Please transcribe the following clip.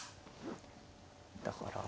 だから。